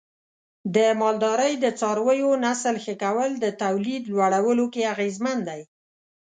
د مالدارۍ د څارویو نسل ښه کول د تولید لوړولو کې اغیزمن دی.